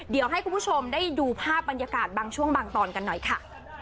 เดี๋ยวให้คุณผู้ชมได้ดูภาพบรรยากาศบางช่วงบางตอนกันหน่อยค่ะ